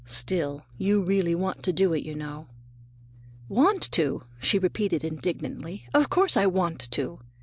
"Still, you really want to do it, you know." "Want to?" she repeated indignantly; "of course I want to!